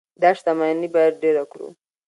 دا شتمني باید ډیره کړو.